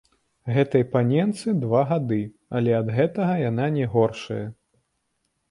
Гэтай паненцы два гады, але ад гэтага яна не горшая!